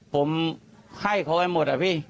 ผมให้เขาไปหมดอะพี่